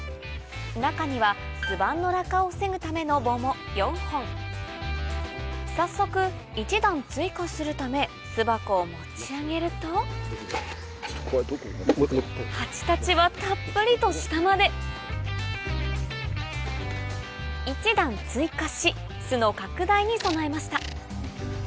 中には巣板のも４本早速１段追加するため巣箱を持ち上げると蜂たちはたっぷりと下まで１段追加し巣の拡大に備えました